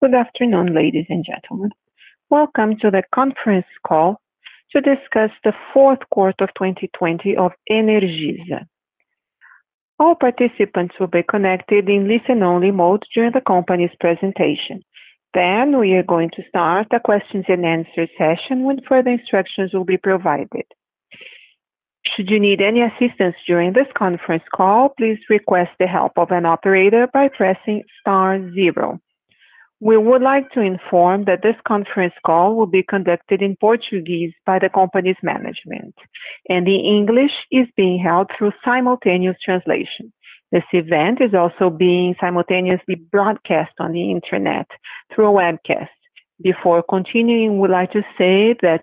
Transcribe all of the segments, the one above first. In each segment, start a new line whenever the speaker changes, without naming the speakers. Good afternoon, ladies and gentlemen. Welcome to the conference call to discuss the fourth quarter of 2020 of Energisa. All participants will be connected in listen-only mode during the company's presentation. We are going to start the questions-and-answer session when further instructions will be provided. Should you need any assistance during this conference call, please request the help of an operator by pressing star zero. We would like to inform that this conference call will be conducted in Portuguese by the company's management, and the English is being held through simultaneous translation. This event is also being simultaneously broadcast on the internet through a webcast. Before continuing, we would like to say that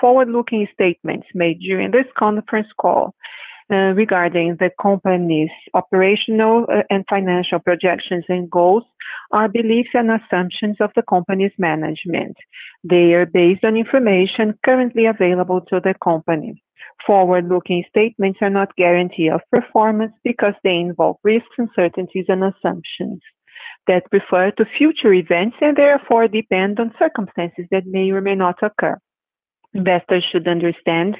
forward-looking statements made during this conference call regarding the company's operational and financial projections and goals are beliefs and assumptions of the company's management. They are based on information currently available to the company. Forward-looking statements are not guarantee of performance because they involve risks, uncertainties, and assumptions that refer to future events and therefore depend on circumstances that may or may not occur. Investors should understand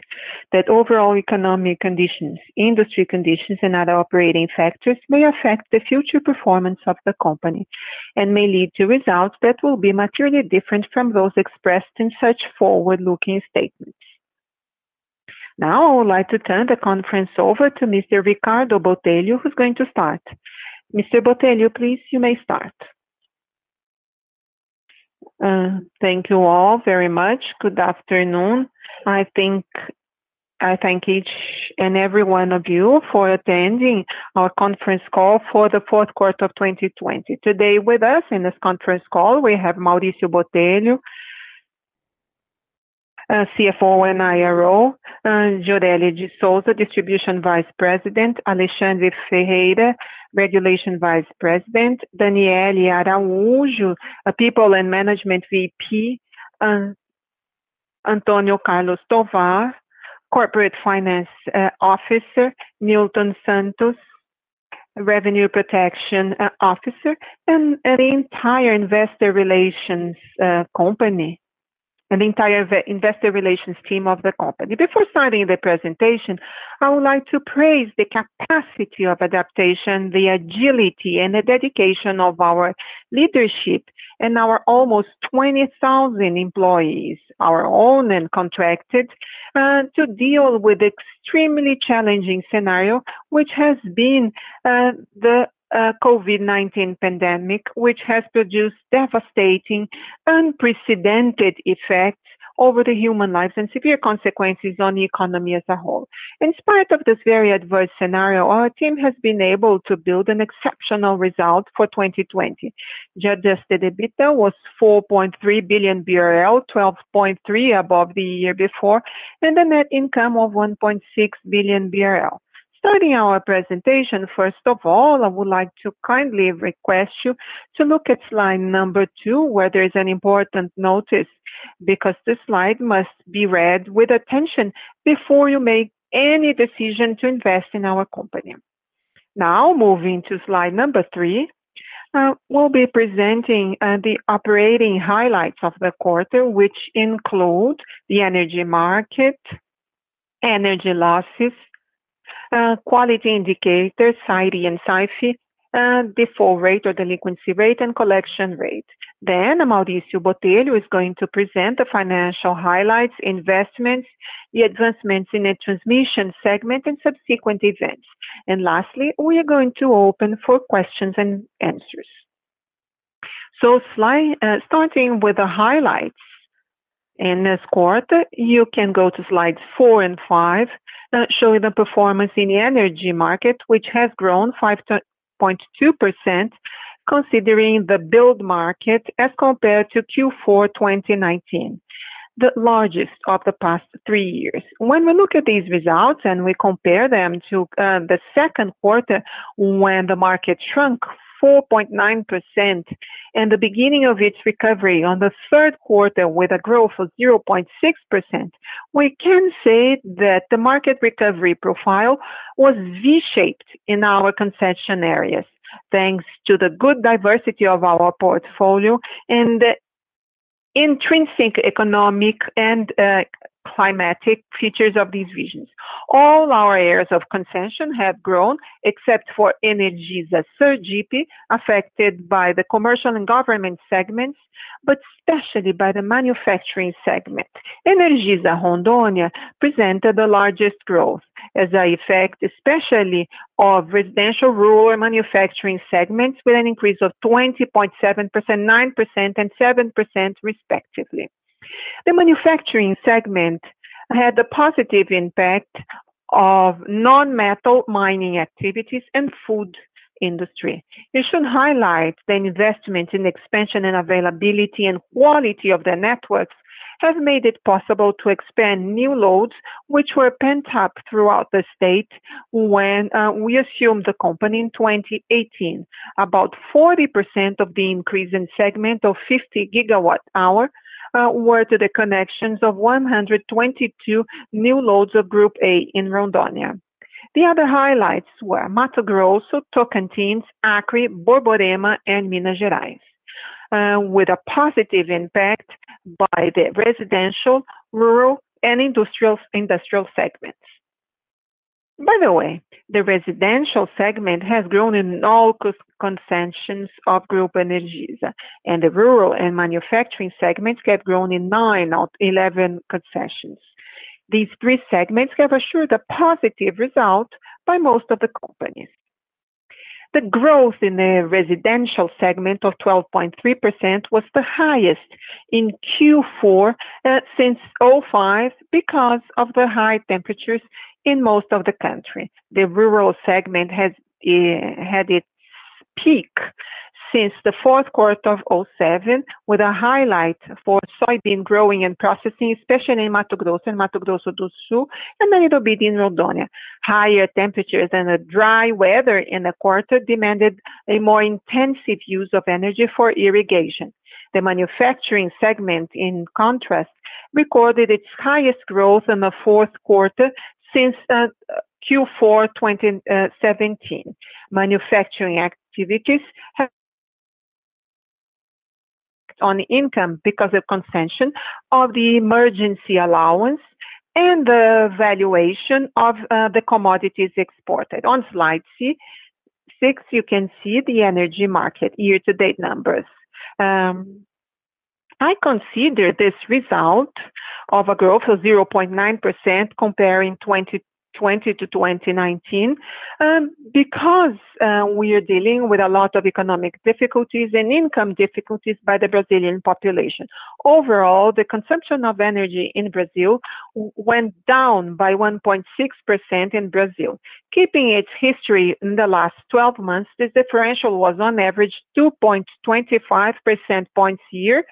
that overall economic conditions, industry conditions, and other operating factors may affect the future performance of the company and may lead to results that will be materially different from those expressed in such forward-looking statements. I would like to turn the conference over to Mr. Ricardo Botelho, who's going to start. Mr. Botelho, please, you may start.
Thank you all very much. Good afternoon. I thank each and every one of you for attending our conference call for the fourth quarter of 2020. Today with us in this conference call, we have Maurício Botelho, CFO and IRO, Gioreli de Sousa, Distribution Vice President, Alexandre Ferreira, Regulation Vice President, Daniele Araújo, People and Management VP, Antonio Carlos Tovar, Corporate Finance Officer, Newton Santos, Revenue Protection Officer, and the entire investor relations team of the company. Before starting the presentation, I would like to praise the capacity of adaptation, the agility, and the dedication of our leadership and our almost 20,000 employees, our own and contracted, to deal with extremely challenging scenario, which has been the COVID-19 pandemic, which has produced devastating, unprecedented effects over the human lives and severe consequences on the economy as a whole. In spite of this very adverse scenario, our team has been able to build an exceptional result for 2020. The adjusted EBITDA was 4.3 billion BRL, 12.3% above the year before, and a net income of 1.6 billion BRL. Starting our presentation, first of all, I would like to kindly request you to look at slide number two, where there's an important notice because this slide must be read with attention before you make any decision to invest in our company. Moving to slide number three, we'll be presenting the operating highlights of the quarter, which include the energy market, energy losses, quality indicators, SAIDI and SAIFI, default rate or delinquency rate, and collection rate. Mauricio Botelho is going to present the financial highlights, investments, the advancements in the transmission segment, and subsequent events. Lastly, we are going to open for questions-and-answers. Starting with the highlights in this quarter, you can go to slides four and five showing the performance in the energy market, which has grown 5.2% considering the billed market as compared to Q4 2019, the largest of the past three years. When we look at these results and we compare them to the second quarter when the market shrunk 4.9% and the beginning of its recovery on the third quarter with a growth of 0.6%. We can say that the market recovery profile was V-shaped in our concession areas, thanks to the good diversity of our portfolio and the intrinsic economic and climatic features of these regions. All our areas of concession have grown except for Energisa Sergipe, affected by the commercial and government segments, but especially by the manufacturing segment. Energisa Rondônia presented the largest growth as an effect, especially of residential, rural, and manufacturing segments, with an increase of 20.7%, 9%, and 7% respectively. The manufacturing segment had the positive impact of non-metal mining activities and food industry. It should highlight the investment in expansion and availability and quality of the networks have made it possible to expand new loads, which were pent up throughout the state when we assumed the company in 2018. About 40% of the increase in segment of 50 gigawatt hour were to the connections of 122 new loads of Group A in Rondônia. The other highlights were Mato Grosso, Tocantins, Acre, Borborema, and Minas Gerais, with a positive impact by the residential, rural, and industrial segments. By the way, the residential segment has grown in all concessions of Grupo Energisa, and the rural and manufacturing segments have grown in nine out of 11 concessions. These three segments have assured a positive result by most of the companies. The growth in the residential segment of 12.3% was the highest in Q4 since 2005 because of the high temperatures in most of the country. The rural segment has had its peak since the fourth quarter of 2007, with a highlight for soybean growing and processing, especially in Mato Grosso and Mato Grosso do Sul, and a little bit in Rondônia. Higher temperatures and dry weather in the quarter demanded a more intensive use of energy for irrigation. The manufacturing segment, in contrast, recorded its highest growth in the fourth quarter since Q4 2017. Manufacturing activities have on income because of concession of the emergency allowance and the valuation of the commodities exported. On slide six, you can see the energy market year-to-date numbers. I consider this result of a growth of 0.9% comparing 2020-2019, because we are dealing with a lot of economic difficulties and income difficulties by the Brazilian population. Overall, the consumption of energy in Brazil went down by 1.6% in Brazil, keeping its history in the last 12 months, this differential was on average 2.25% points year,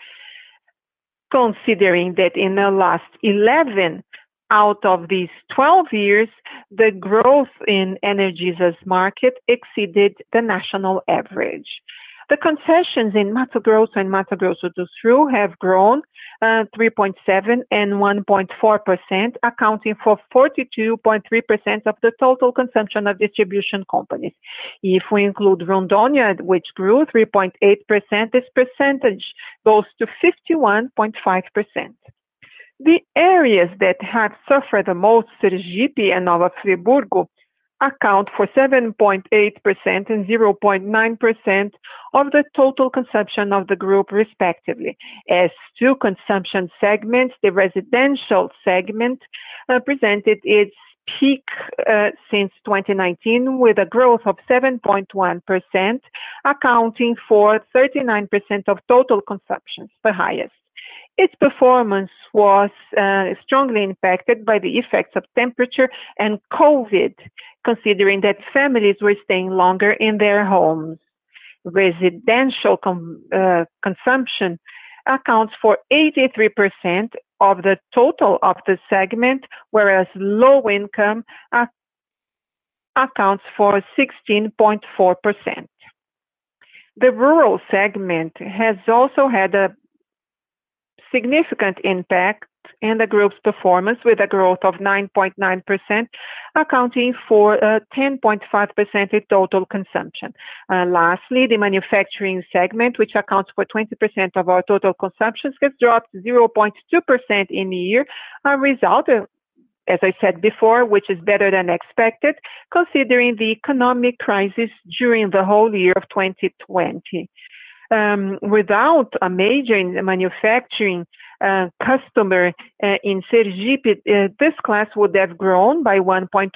considering that in the last 11 out of these 12 years, the growth in Energisa's market exceeded the national average. The concessions in Mato Grosso and Mato Grosso do Sul have grown 3.7% and 1.4%, accounting for 42.3% of the total consumption of distribution companies. If we include Rondônia, which grew 3.8%, this percentage goes to 51.5%. The areas that have suffered the most, Sergipe and Nova Friburgo, account for 7.8% and 0.9% of the total consumption of the group, respectively. As two consumption segments, the residential segment presented its peak since 2019 with a growth of 7.1%, accounting for 39% of total consumption, the highest. Its performance was strongly impacted by the effects of temperature and COVID, considering that families were staying longer in their homes. Residential consumption accounts for 83% of the total of the segment, whereas low income accounts for 16.4%. The rural segment has also had a significant impact in the group's performance with a growth of 9.9%, accounting for 10.5% of total consumption. Lastly, the manufacturing segment, which accounts for 20% of our total consumption, has dropped 0.2% in the year, a result, as I said before, which is better than expected considering the economic crisis during the whole year of 2020. Without a major manufacturing customer in Sergipe, this class would have grown by 1.1%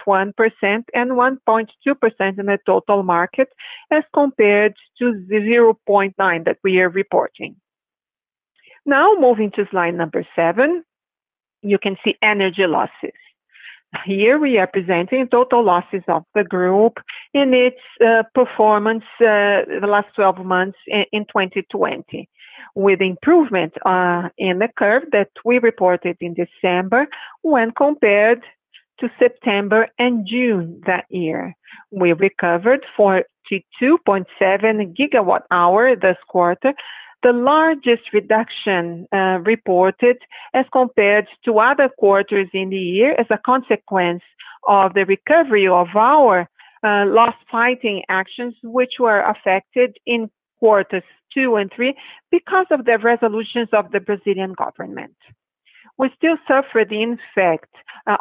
and 1.2% in the total market as compared to the 0.9 that we are reporting. Now moving to slide number seven, you can see energy losses. Here we are presenting total losses of the group in its performance the last 12 months in 2020. With improvement in the curve that we reported in December when compared to September and June that year. We recovered 42.7 GWh this quarter, the largest reduction reported as compared to other quarters in the year as a consequence of the recovery of our loss fighting actions, which were affected in quarters two and three because of the resolutions of the Brazilian government. We still suffer the effects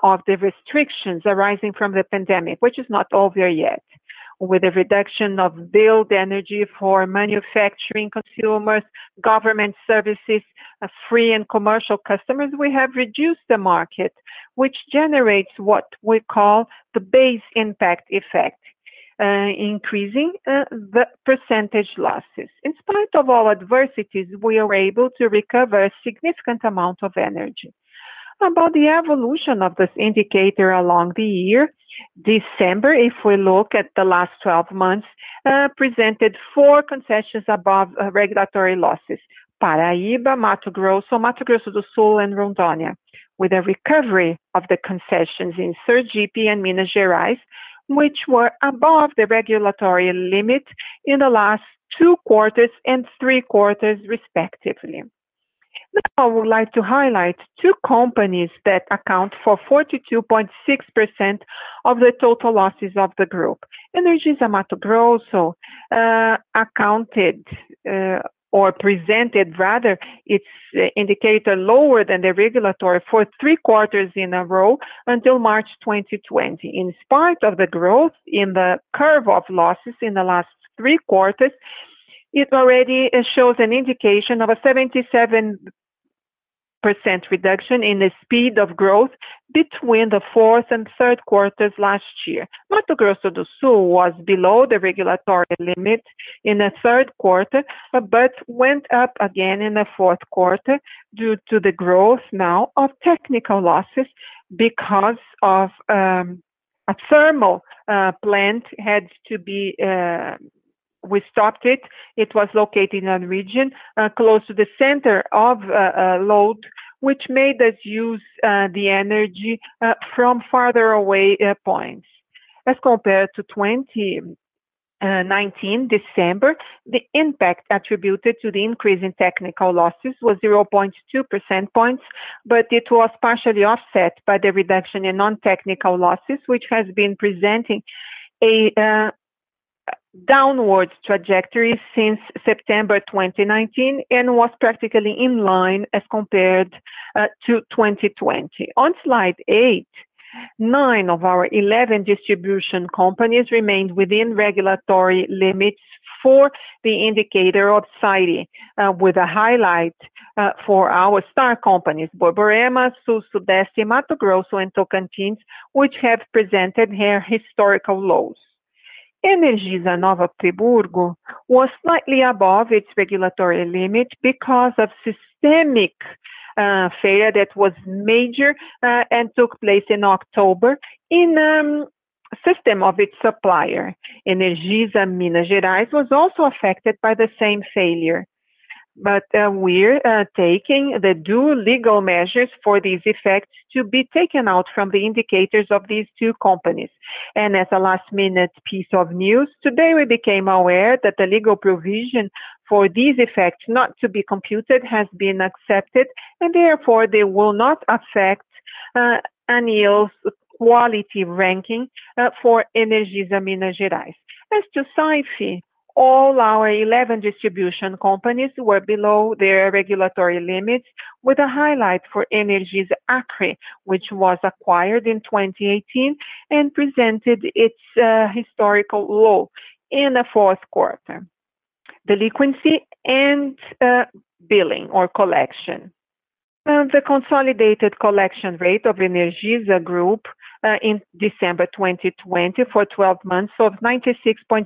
of the restrictions arising from the pandemic, which is not over yet. With the reduction of billed energy for manufacturing consumers, government services, free and commercial customers, we have reduced the market, which generates what we call the base impact effect, increasing the percentage losses. In spite of all adversities, we are able to recover a significant amount of energy. About the evolution of this indicator along the year, December, if we look at the last 12 months, presented four concessions above regulatory losses. Paraíba, Mato Grosso, Mato Grosso do Sul, and Rondônia. With a recovery of the concessions in Sergipe and Minas Gerais, which were above the regulatory limit in the last two quarters and three quarters, respectively. Now I would like to highlight two companies that account for 42.6% of the total losses of the group. Energisa Mato Grosso accounted or presented, rather, its indicator lower than the regulatory for three quarters in a row until March 2020. In spite of the growth in the curve of losses in the last three quarters, it already shows an indication of a 77% reduction in the speed of growth between the fourth and third quarters last year. Mato Grosso do Sul was below the regulatory limit in the third quarter, but went up again in the fourth quarter due to the growth now of technical losses, because of a thermal plant, we stopped it. It was located in a region close to the center of a load, which made us use the energy from farther away points. As compared to 2019 December, the impact attributed to the increase in technical losses was 0.2% points, but it was partially offset by the reduction in non-technical losses, which has been presenting a downwards trajectory since September 2019, and was practically in line as compared to 2020. On slide eight, nine of our 11 distribution companies remained within regulatory limits for the indicator of SAIDI, with a highlight for our star companies, Borborema, Sul-Sudeste, Mato Grosso, and Tocantins, which have presented their historical lows. Energisa Nova Friburgo was slightly above its regulatory limit because of systemic failure that was major and took place in October in system of its supplier. Energisa Minas Gerais was also affected by the same failure. We're taking the due legal measures for these effects to be taken out from the indicators of these two companies. As a last-minute piece of news, today we became aware that the legal provision for these effects not to be computed has been accepted, and therefore, they will not affect ANEEL's quality ranking for Energisa Minas Gerais. As to SAIFI, all our 11 distribution companies were below their regulatory limits with a highlight for Energisa Acre, which was acquired in 2018 and presented its historical low in the fourth quarter. Delinquency and billing or collection. The consolidated collection rate of Energisa Group in December 2020 for 12 months of 96.61%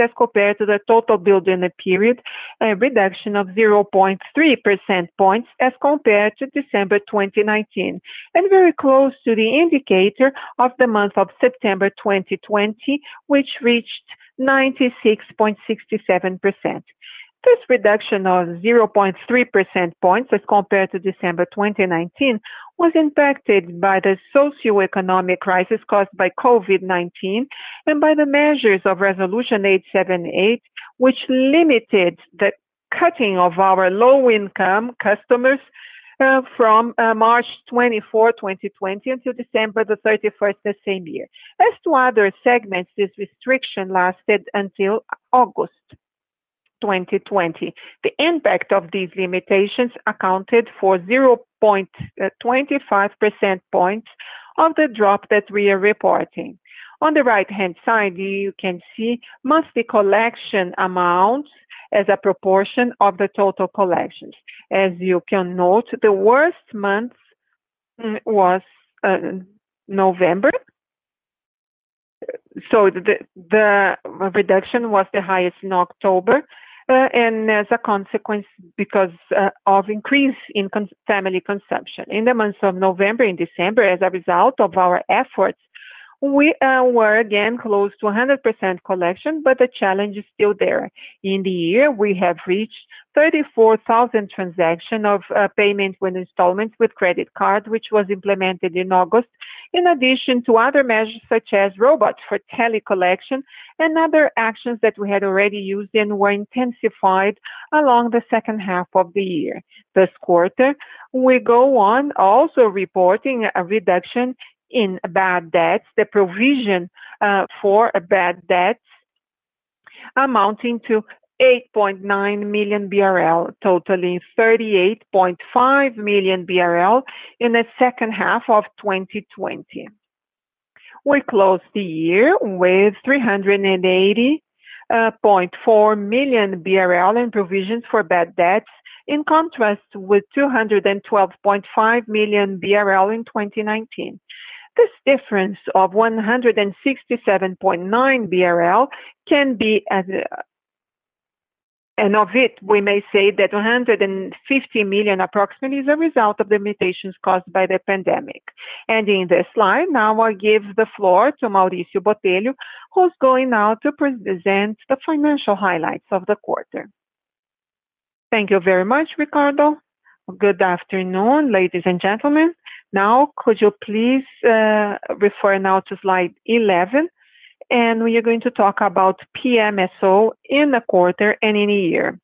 as compared to the total billed in the period, a reduction of 0.3% points as compared to December 2019. Very close to the indicator of the month of September 2020, which reached 96.67%. This reduction of 0.3% points as compared to December 2019 was impacted by the socioeconomic crisis caused by COVID-19 and by the measures of Resolution 878, which limited the cutting of our low-income customers from March 24th, 2020 until December 31st the same year. As to other segments, this restriction lasted until August 2020. The impact of these limitations accounted for 0.25% points of the drop that we are reporting. On the right-hand side, you can see monthly collection amount as a proportion of the total collections. As you can note, the worst month was November. The reduction was the highest in October, and as a consequence, because of increase in family consumption. In the months of November and December, as a result of our efforts, we were again close to 100% collection, but the challenge is still there. In the year, we have reached 34,000 transaction of payment with installments with credit card, which was implemented in August. In addition to other measures such as robot for tele collection and other actions that we had already used and were intensified along the second half of the year. This quarter, we go on also reporting a reduction in bad debts, the provision for bad debts amounting to 8.9 million BRL, totaling 38.5 million BRL in the second half of 2020. We closed the year with 380.4 million BRL in provisions for bad debts, in contrast with 212.5 million BRL in 2019. This difference of 167.9 BRL, of it, we may say that 150 million approximately is a result of the limitations caused by the pandemic. In this slide, now I give the floor to Maurício Botelho, who's going now to present the financial highlights of the quarter.
Thank you very much, Ricardo. Good afternoon, ladies and gentlemen. Could you please refer now to slide 11? We are going to talk about PMSO in the quarter and in a year.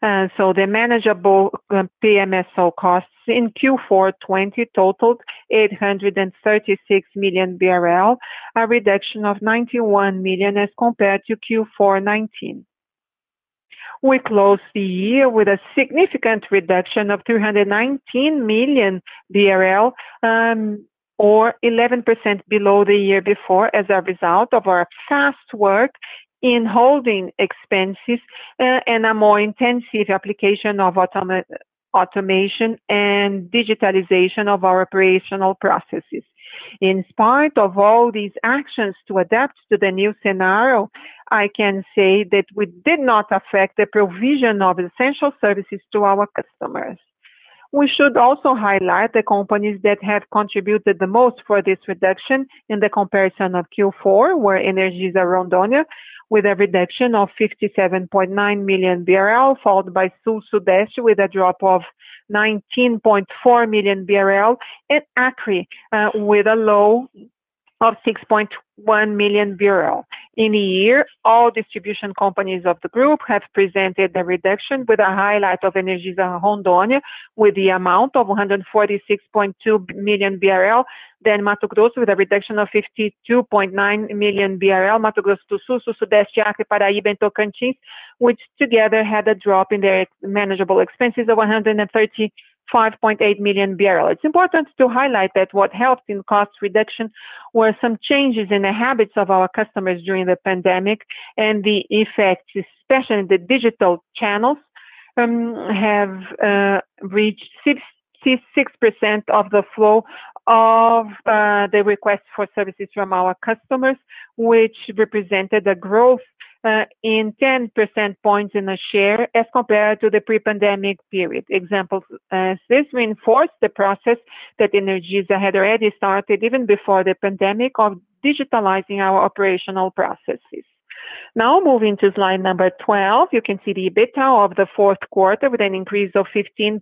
The manageable PMSO costs in Q4 2020 totaled 836 million BRL, a reduction of 91 million as compared to Q4 2019. We closed the year with a significant reduction of 319 million BRL, or 11% below the year before, as a result of our fast work in holding expenses and a more intensive application of automation and digitalization of our operational processes. In spite of all these actions to adapt to the new scenario, I can say that we did not affect the provision of essential services to our customers. We should also highlight the companies that have contributed the most for this reduction in the comparison of Q4, where Energisa Rondônia, with a reduction of 57.9 million BRL, followed by Sul-Sudeste with a drop of 19.4 million BRL, and Acre with a low of 6.1 million BRL. In a year, all distribution companies of the group have presented a reduction with a highlight of Energisa Rondônia with the amount of 146.2 million BRL, then Mato Grosso with a reduction of 52.9 million BRL. Mato Grosso, Sul-Sudeste, Acre, Paraíba and Tocantins, which together had a drop in their manageable expenses of 135.8 million. It's important to highlight that what helped in cost reduction were some changes in the habits of our customers during the pandemic, and the effect, especially in the digital channels, have reached 66% of the flow of the request for services from our customers, which represented a growth in 10 percentage points in the share as compared to the pre-pandemic period. Examples, this reinforced the process that Energisa had already started even before the pandemic of digitalizing our operational processes. Moving to slide number 12, you can see the EBITDA of the fourth quarter with an increase of 15.7%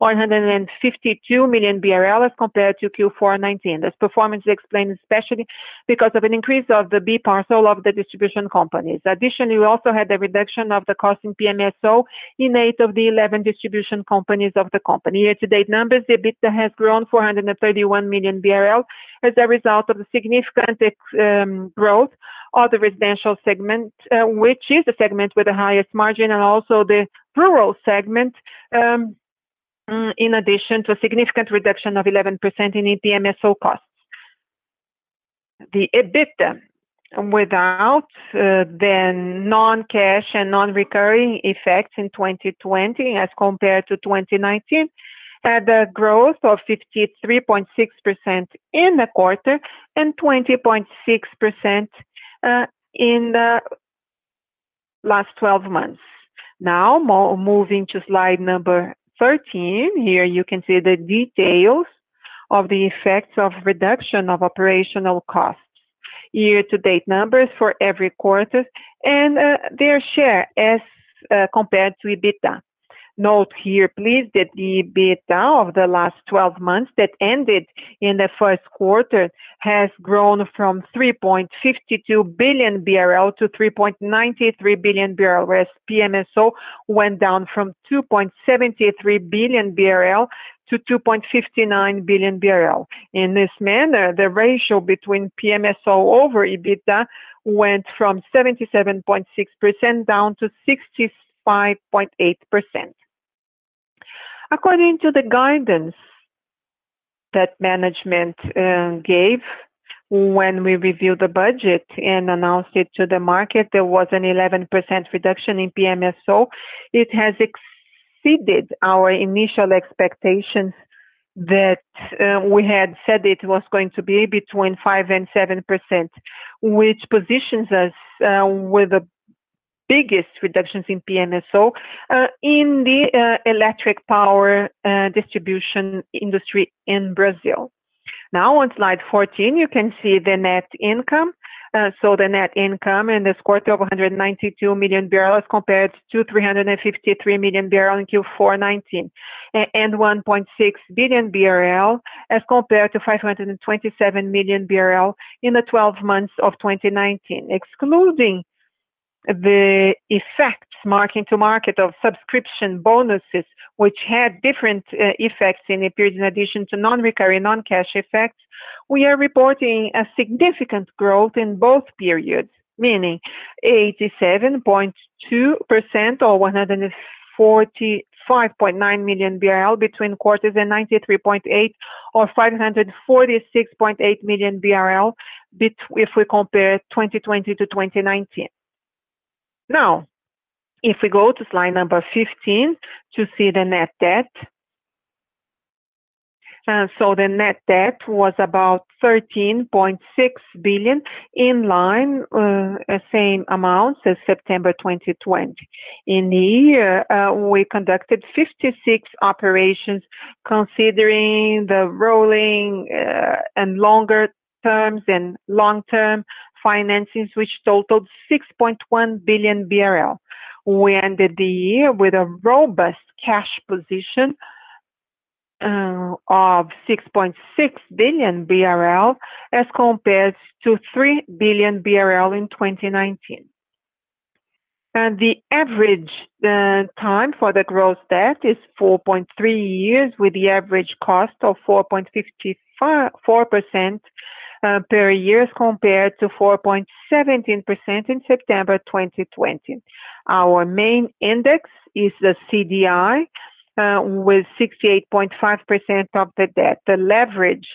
or 152 million BRL as compared to Q4 2019. This performance explained especially because of an increase of the B parcel of the distribution companies. We also had the reduction of the cost in PMSO in eight of the 11 distribution companies of the company. Year-to-date numbers, EBITDA has grown 431 million BRL as a result of the significant growth of the residential segment, which is the segment with the highest margin, and also the rural segment, in addition to a significant reduction of 11% in PMSO costs. The EBITDA without the non-cash and non-recurring effects in 2020 as compared to 2019, had a growth of 53.6% in the quarter and 20.6% in the last 12 months. Moving to slide number 13. Here you can see the details of the effects of reduction of operational costs. Year to date numbers for every quarter and their share as compared to EBITDA. Note here please, that the EBITDA of the last 12 months that ended in the fourth quarter has grown from 3.52 billion-3.93 billion BRL, whereas PMSO went down from 2.73 billion-2.59 billion BRL. In this manner, the ratio between PMSO over EBITDA went from 77.6% down to 65.8%. According to the guidance that management gave when we reviewed the budget and announced it to the market, there was an 11% reduction in PMSO. It has exceeded our initial expectations that we had said it was going to be between 5% and 7%, which positions us with the biggest reductions in PMSO, in the electric power distribution industry in Brazil. On slide 14, you can see the net income. The net income in this quarter of 192 million BRL as compared to 353 million in Q4 2019, and 1.6 billion BRL as compared to 527 million BRL in the 12 months of 2019. Excluding the effects marking to market of subscription bonuses which had different effects in the periods in addition to non-recurring non-cash effects, we are reporting a significant growth in both periods, meaning 87.2% or 145.9 million BRL between quarters and 93.8% or 546.8 million BRL if we compare 2020-2019. If we go to slide number 15 to see the net debt. The net debt was about 13.6 billion, in line, same amount since September 2020. In the year, we conducted 56 operations considering the rolling and longer terms and long-term financings, which totaled 6.1 billion BRL. We ended the year with a robust cash position of 6.6 billion BRL as compared to 3 billion BRL in 2019. The average time for the gross debt is 4.3 years, with the average cost of 4.54% per year as compared to 4.17% in September 2020. Our main index is the CDI, with 68.5% of the debt. The leverage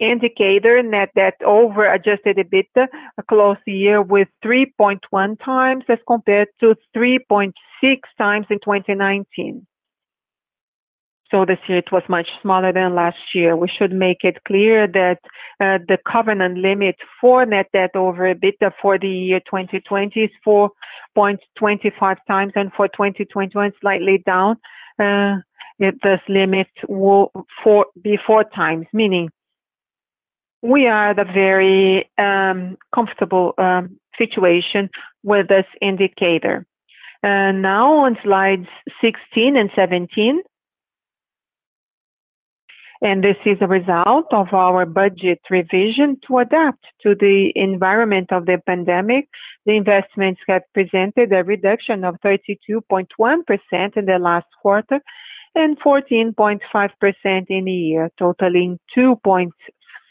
indicator, net debt over adjusted EBITDA, closed the year with 3.1x as compared to 3.6x in 2019. This year it was much smaller than last year. We should make it clear that the covenant limit for net debt over EBITDA for the year 2020 is 4.25x, and for 2021, slightly down. This limit will be 4x, meaning we are at a very comfortable situation with this indicator. On slides 16 and 17. This is a result of our budget revision to adapt to the environment of the pandemic. The investments have presented a reduction of 32.1% in the last quarter and 14.5% in the year, totaling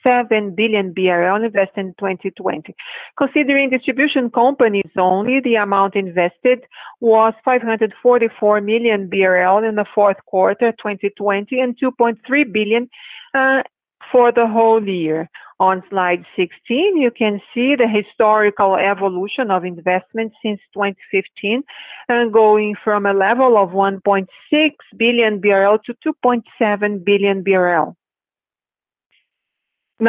2.7 billion BRL invested in 2020. Considering distribution companies only, the amount invested was 544 million BRL in the fourth quarter of 2020 and 2.3 billion for the whole year. On slide 16, you can see the historical evolution of investments since 2015, going from a level of 1.6 billion-2.7 billion BRL.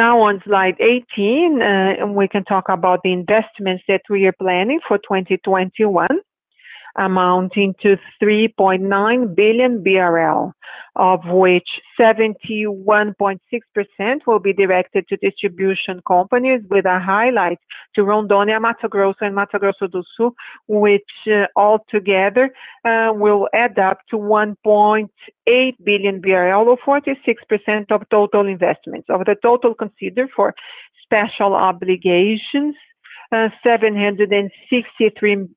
On slide 18, we can talk about the investments that we are planning for 2021, amounting to 3.9 billion BRL, of which 71.6% will be directed to distribution companies with a highlight to Rondônia, Mato Grosso, and Mato Grosso do Sul, which all together will add up to 1.8 billion BRL, or 46% of total investments. Of the total considered for special obligations, 763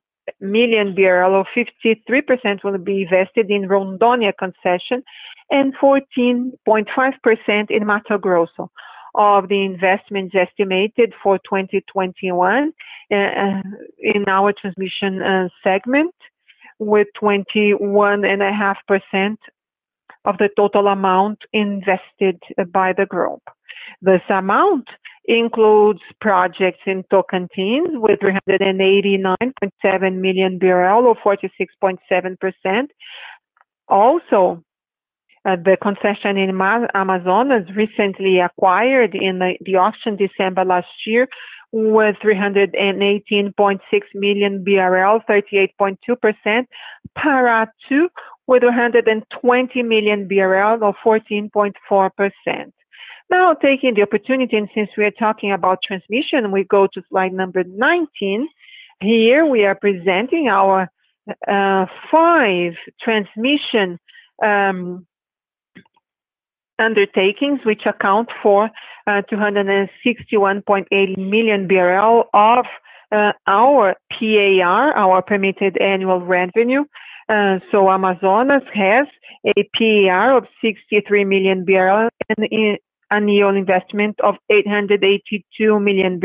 million, or 53%, will be invested in Rondônia concession and 14.5% in Mato Grosso of the investments estimated for 2021 in our transmission segment, with 21.5% of the total amount invested by the Group. This amount includes projects in Tocantins with 389.7 million BRL, or 46.7%. The concession in Amazonas, recently acquired in the auction December last year, was 318.6 million BRL, 38.2%, Pará II with 120 million BRL, or 14.4%. Taking the opportunity and since we are talking about transmission, we go to slide 19. Here we are presenting our five transmission undertakings, which account for 261.8 million BRL of our PAR, our permitted annual revenue. Amazonas has a PAR of 63 million and an annual investment of 882 million.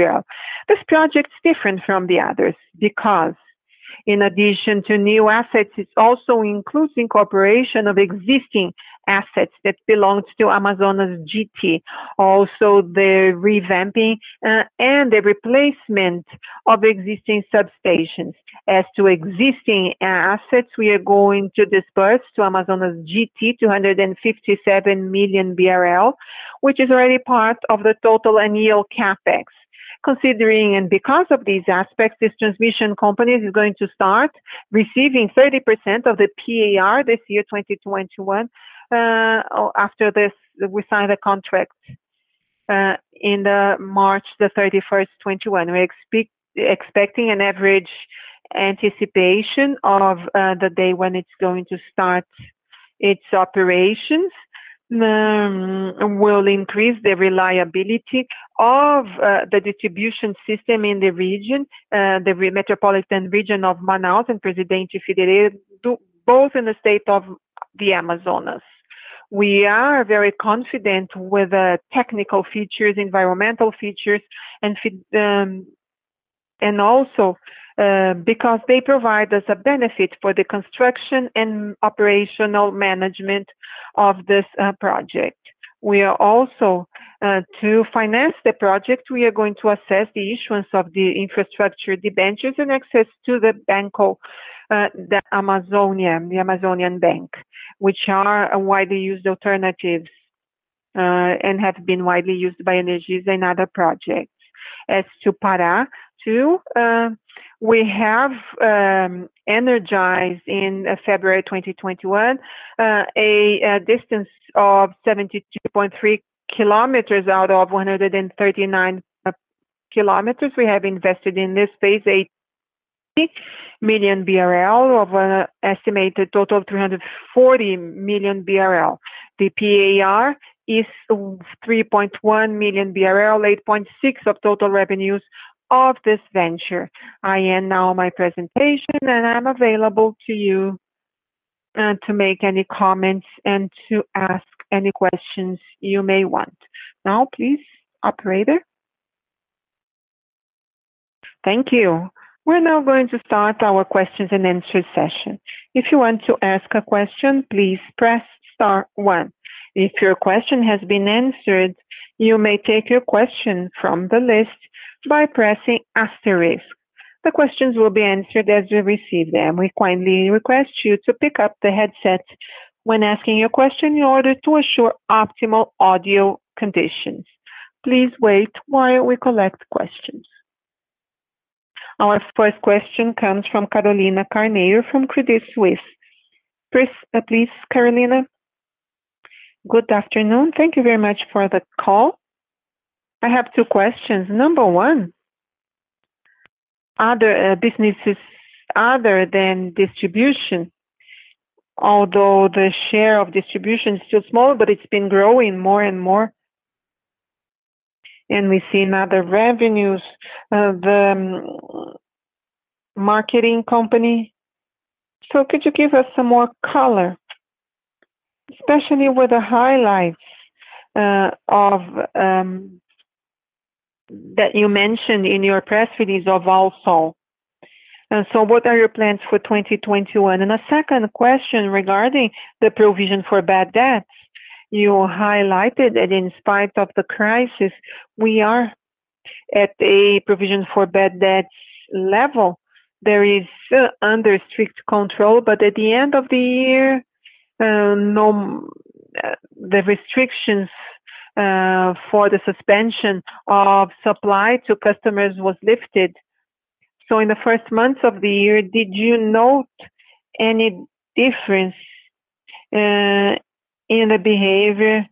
This project is different from the others because in addition to new assets, it also includes incorporation of existing assets that belongs to Amazonas GT, also the revamping and the replacement of existing substations. As to existing assets, we are going to disperse to Amazonas GT 257 million BRL, which is already part of the total annual CapEx. Considering and because of these aspects, this transmission company is going to start receiving 30% of the PAR this year, 2021, after this, we sign a contract in March the 31st 2021. We're expecting an average anticipation of the day when it's going to start its operations, will increase the reliability of the distribution system in the region, the metropolitan region of Manaus and Presidente Figueiredo, both in the state of the Amazonas. We are very confident with the technical features, environmental features, and also because they provide us a benefit for the construction and operational management of this project. To finance the project, we are going to assess the issuance of the infrastructure debentures and access to the Banco da Amazônia, the Amazonian Bank, which are widely used alternatives and have been widely used by Energisa in other projects. As to Pará II, we have energized in February 2021, a distance of 72.3 km out of 139 km. We have invested in this phase 8 million BRL of an estimated total of 340 million BRL. The PAR is 3.1 million BRL, 8.6% of total revenues of this venture. I end now my presentation, and I'm available to you to make any comments and to ask any questions you may want. Now, please, operator.
Thank you. We're now going to start our questions-and-answer session. If you want to ask a question, please press star one. If your question has been answered, you may take your question from the list by pressing asterisk. The questions will be answered as we receive them. We kindly request you to pick up the headset when asking your question in order to assure optimal audio conditions. Please wait while we collect questions. Our first question comes from Carolina Carneiro from Credit Suisse. Please, Carolina.
Good afternoon. Thank you very much for the call. I have two questions. Number one, other businesses other than distribution, although the share of distribution is still small, but it's been growing more and more, and we see now the revenues of the marketing company. Could you give us some more color, especially with the highlights that you mentioned in your press release of Alsol? What are your plans for 2021? A second question regarding the provision for bad debts. You highlighted that in spite of the crisis, we are at a provision for bad debts level. There is under strict control, but at the end of the year, the restrictions for the suspension of supply to customers was lifted. In the first months of the year, did you note any difference in the behavior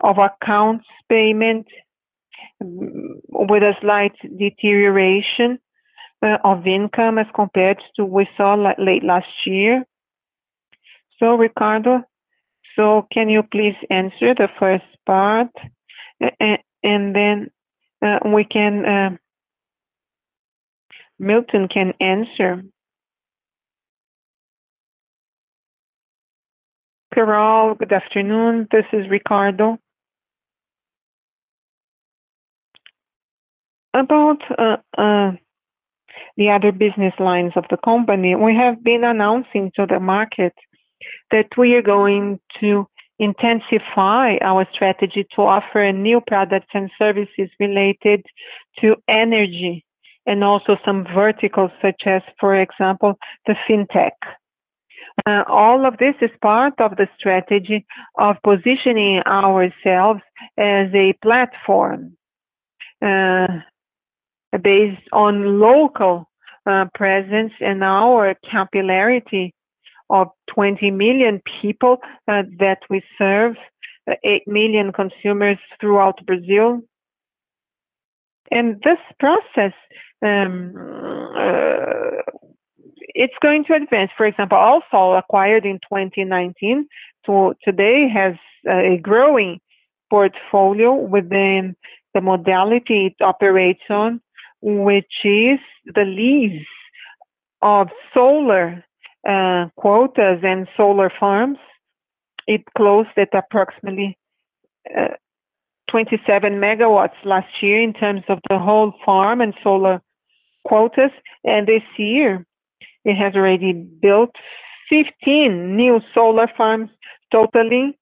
of accounts payment with a slight deterioration of income as compared to we saw late last year?
Ricardo, can you please answer the first part? Newton can answer.
Carol, good afternoon. This is Ricardo. About the other business lines of the company, we have been announcing to the market that we are going to intensify our strategy to offer new products and services related to energy, and also some verticals, such as, for example, the fintech. All of this is part of the strategy of positioning ourselves as a platform based on local presence and our popularity of 20 million people that we serve, 8 million consumers throughout Brazil. This process, it's going to advance. For example, Alsol, acquired in 2019, so today has a growing portfolio within the modality it operates on, which is the lease of solar quotas and solar farms. It closed at approximately 27 MW last year in terms of the whole farm and solar quotas. This year, it has already built 15 new solar farms totaling,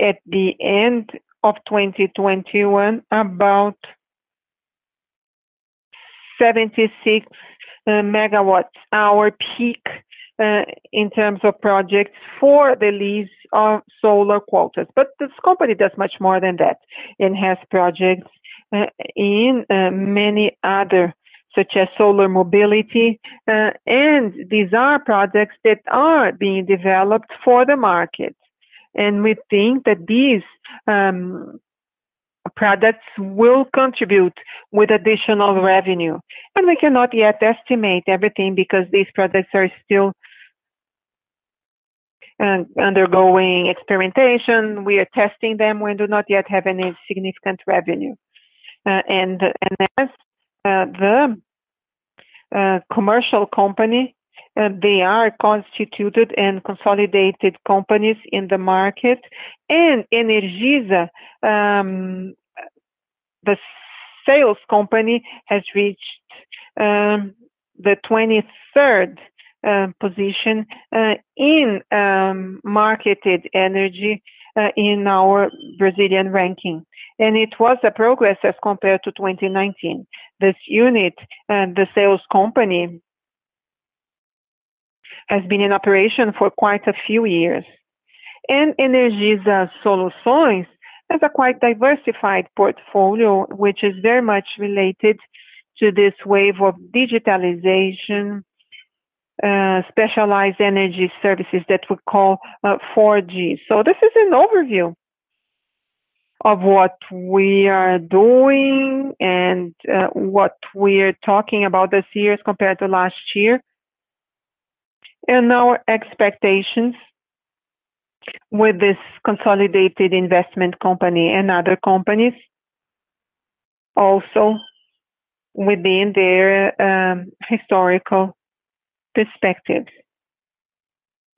at the end of 2021, about 76 MWh peak in terms of projects for the lease of solar quotas. This company does much more than that and has projects in many other, such as solar mobility. These are projects that are being developed for the market. We think that these products will contribute with additional revenue. We cannot yet estimate everything because these projects are still undergoing experimentation. We are testing them. We do not yet have any significant revenue. As the commercial company, they are constituted and consolidated companies in the market, Energisa, the sales company, has reached the 23rd position in marketed energy in our Brazilian ranking, and it was a progress as compared to 2019. This unit, the sales company, has been in operation for quite a few years. Energisa Soluções has a quite diversified portfolio, which is very much related to this wave of digitalization, specialized energy services that we call 4G. This is an overview of what we are doing and what we're talking about this year compared to last year, and our expectations with this consolidated investment company and other companies also within their historical perspectives.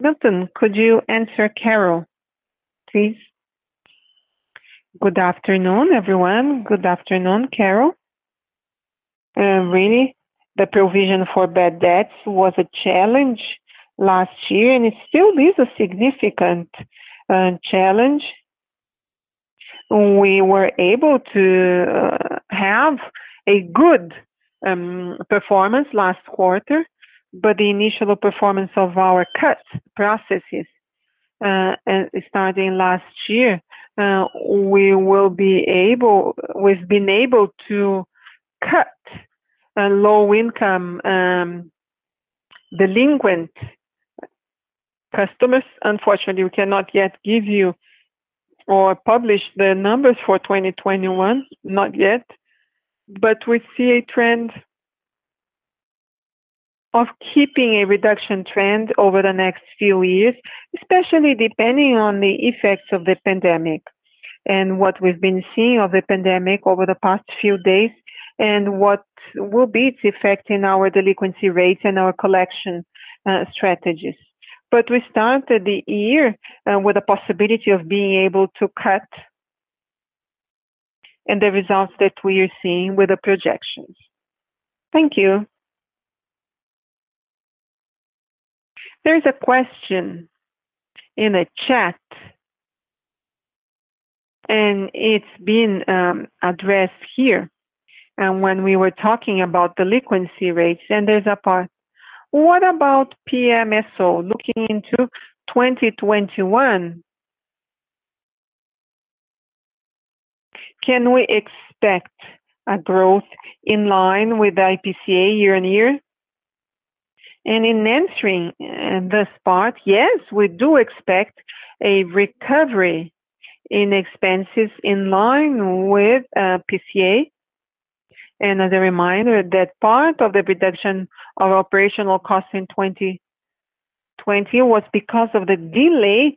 Newton, could you answer Carol, please?
Good afternoon, everyone. Good afternoon, Carol. Really, the provision for bad debts was a challenge last year, and it still is a significant challenge. We were able to have a good performance last quarter, but the initial performance of our cut processes starting last year, we've been able to cut low-income delinquent customers. Unfortunately, we cannot yet give you or publish the numbers for 2021, not yet. We see a trend of keeping a reduction trend over the next few years, especially depending on the effects of the pandemic, and what we've been seeing of the pandemic over the past few days, and what will be its effect in our delinquency rates and our collection strategies. We started the year with the possibility of being able to cut, and the results that we are seeing with the projections.
Thank you.
There's a question in the chat, and it's being addressed here. When we were talking about delinquency rates, and there's a part, what about PMSO looking into 2021? Can we expect a growth in line with IPCA year-over-year? In answering this part, yes, we do expect a recovery in expenses in line with IPCA. As a reminder, that part of the reduction of operational costs in 2020 was because of the delay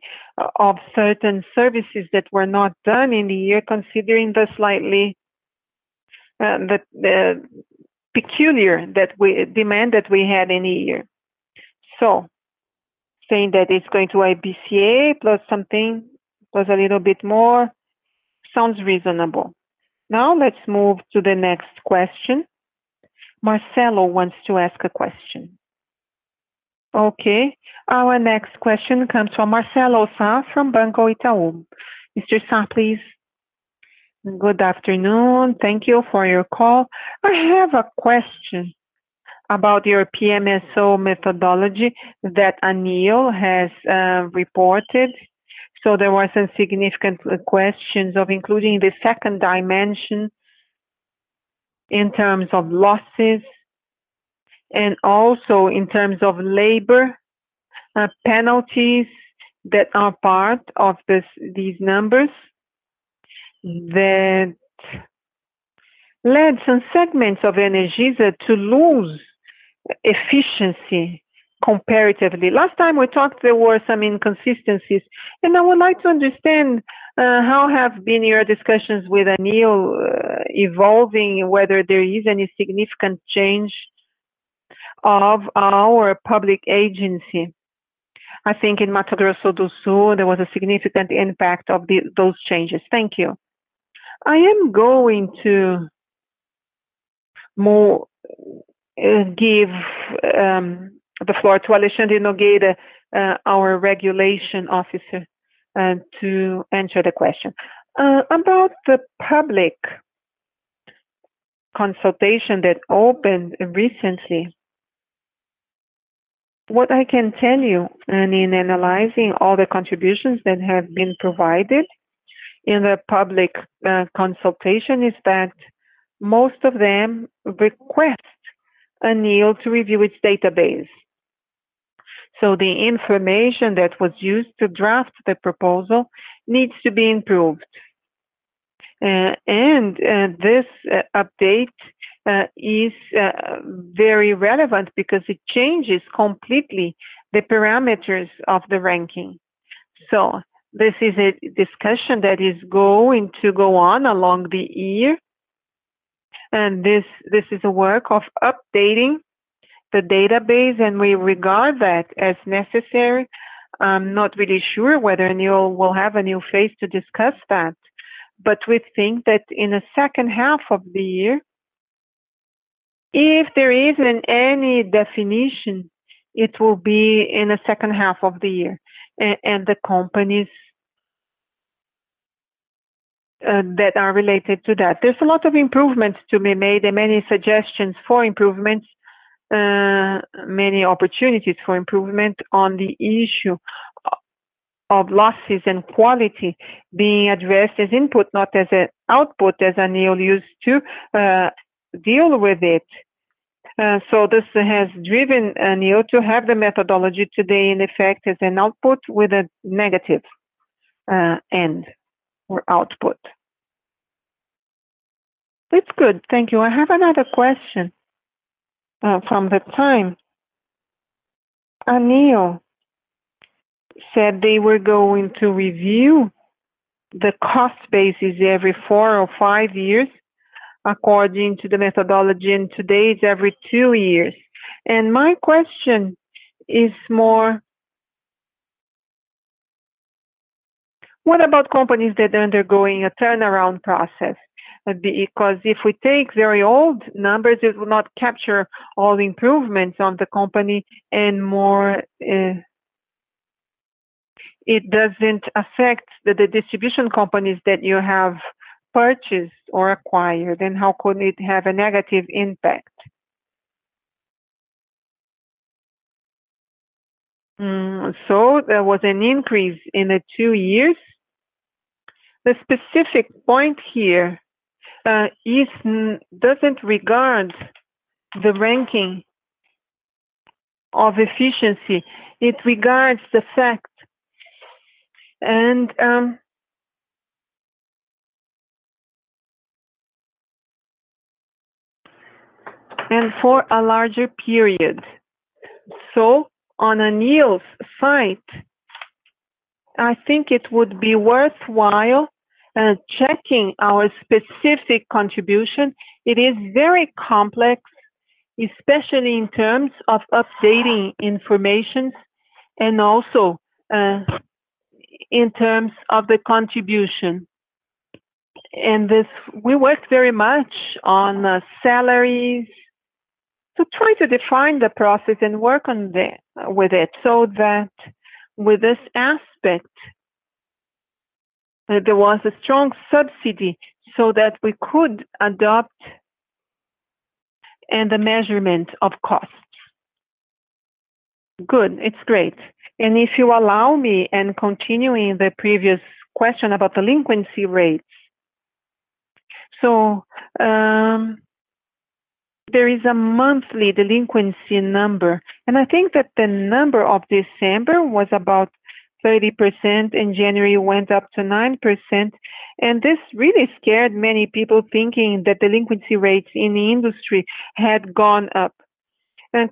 of certain services that were not done in the year, considering the slightly peculiar demand that we had in the year. Saying that it is going to IPCA plus a little bit more sounds reasonable. Let's move to the next question.
Marcelo wants to ask a question. Our next question comes from Marcelo Sá from Banco Itaú. Mr. Sá, please.
Good afternoon. Thank you for your call. I have a question about your PMSO methodology that ANEEL has reported. There were some significant questions of including the second dimension in terms of losses, and also in terms of labor penalties that are part of these numbers that led some segments of Energisa to lose efficiency comparatively. Last time we talked, there were some inconsistencies. I would like to understand how have been your discussions with ANEEL evolving, whether there is any significant change of our public agency. Thank you.
I am going to give the floor to Alexandre Ferreira, our regulation officer, to answer the question.
About the public consultation that opened recently, what I can tell you, in analyzing all the contributions that have been provided in the public consultation, is that most of them request ANEEL to review its database. The information that was used to draft the proposal needs to be improved. This update is very relevant because it changes completely the parameters of the ranking. This is a discussion that is going to go on along the year. This is a work of updating the database, and we regard that as necessary. I'm not really sure whether ANEEL will have a new phase to discuss that. We think that in the second half of the year, if there isn't any definition, it will be in the second half of the year, and the companies that are related to that. There's a lot of improvements to be made and many suggestions for improvements, many opportunities for improvement on the issue of losses and quality being addressed as input, not as an output, as ANEEL used to deal with it. This has driven ANEEL to have the methodology today in effect as an output with a negative end or output.
That's good. Thank you. I have another question from the time ANEEL said they were going to review the cost basis every four or five years according to the methodology, and today it's every two years. My question is more, what about companies that are undergoing a turnaround process? If we take very old numbers, it will not capture all the improvements on the company and it doesn't affect the distribution companies that you have purchased or acquired, and how could it have a negative impact?
There was an increase in the two years. The specific point here doesn't regard the ranking of efficiency. It regards the fact and for a larger period. On ANEEL's site, I think it would be worthwhile checking our specific contribution. It is very complex, especially in terms of updating information and also in terms of the contribution. We worked very much on salaries to try to define the process and work with it, so that with this aspect, there was a strong subsidy so that we could adopt the measurement of costs.
Good. It's great. If you allow me and continuing the previous question about delinquency rates. There is a monthly delinquency number, and I think that the number of December was about 30%, in January it went up to 9%, and this really scared many people thinking that delinquency rates in the industry had gone up.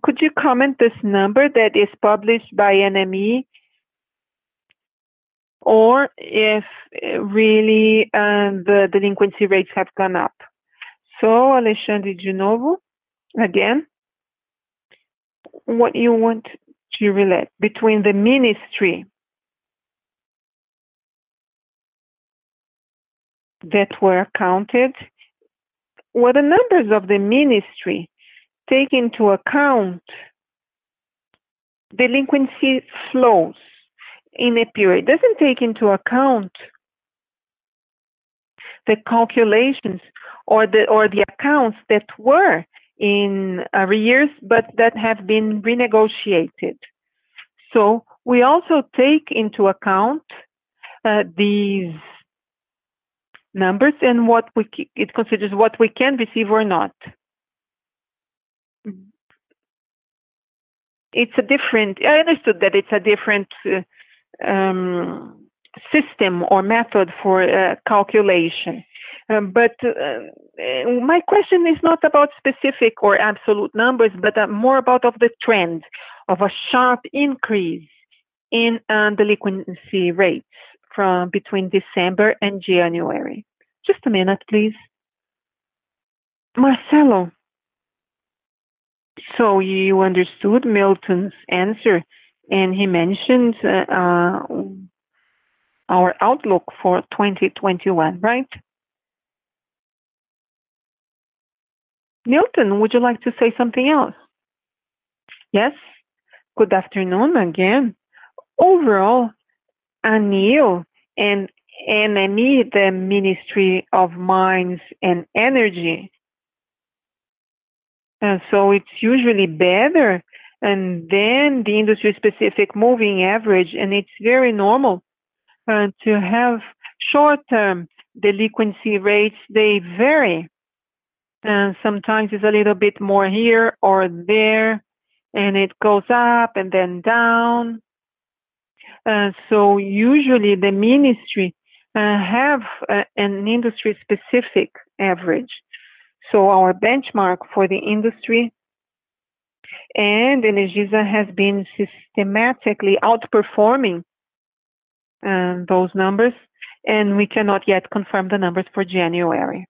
Could you comment this number that is published by MME, or if really the delinquency rates have gone up? Alexandre Ferreira, again, what you want to relate between the Ministry that were counted. The numbers of the Ministry take into account delinquency flows in a period. It doesn't take into account the calculations or the accounts that were in arrears but that have been renegotiated. We also take into account these numbers and what it considers what we can receive or not. I understood that it's a different system or method for calculation. My question is not about specific or absolute numbers, but more about of the trend of a sharp increase in delinquency rates between December and January.
Just a minute, please. Marcelo. You understood Newton's answer, and he mentioned our outlook for 2021, right? Newton, would you like to say something else?
Yes. Good afternoon again. Overall, ANEEL and MME, the Ministry of Mines and Energy. It's usually better than the industry specific moving average, and it's very normal to have short-term delinquency rates. They vary. Sometimes it's a little bit more here or there, and it goes up and then down. Usually the Ministry have an industry-specific average. Our benchmark for the industry and Energisa has been systematically outperforming those numbers, and we cannot yet confirm the numbers for January.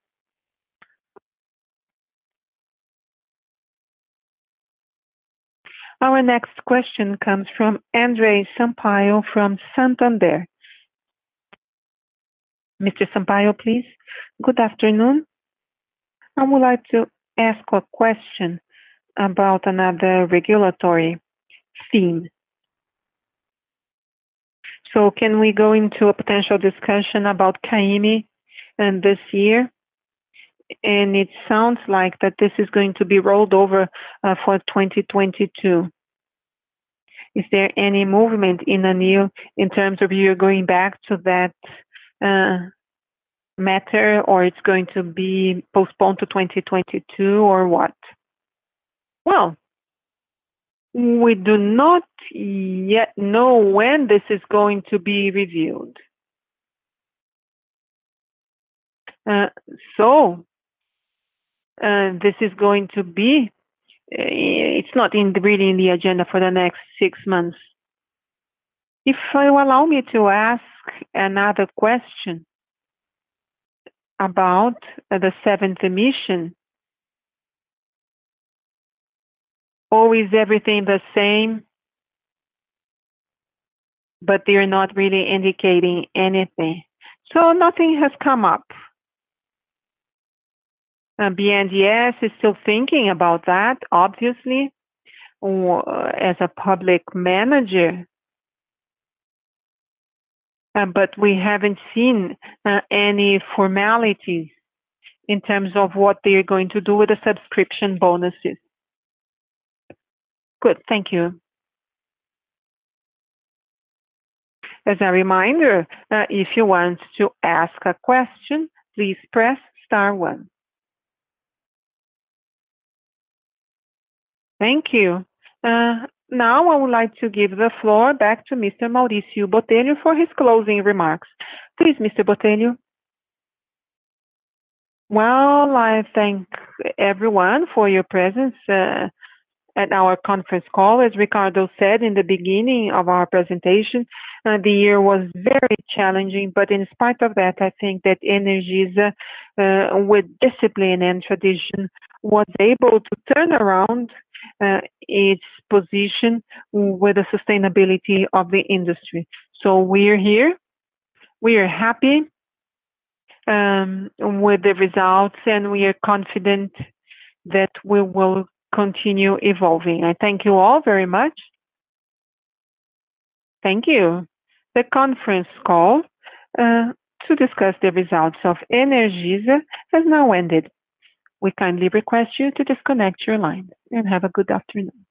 Our next question comes from André Sampaio from Santander. Mr. Sampaio, please.
Good afternoon. I would like to ask a question about another regulatory theme. Can we go into a potential discussion about CAIMI this year? It sounds like that this is going to be rolled over for 2022. Is there any movement in ANEEL in terms of you going back to that matter, or it's going to be postponed to 2022, or what?
Well, we do not yet know when this is going to be reviewed. This is going to be It's not really in the agenda for the next six months.
If you allow me to ask another question about the seventh emission. Is everything the same but they're not really indicating anything?
Nothing has come up. BNDES is still thinking about that, obviously, as a public manager. We haven't seen any formalities in terms of what they're going to do with the subscription bonuses.
Good. Thank you.
As a reminder, if you want to ask a question, please press star one. Thank you. Now I would like to give the floor back to Mr. Maurício Botelho for his closing remarks. Please, Mr. Botelho. I thank everyone for your presence at our conference call.
As Ricardo said in the beginning of our presentation, in spite of that, I think that Energisa, with discipline and tradition, was able to turn around its position with the sustainability of the industry. We're here, we are happy with the results, and we are confident that we will continue evolving. I thank you all very much.
Thank you. The conference call to discuss the results of Energisa has now ended. We kindly request you to disconnect your line, and have a good afternoon.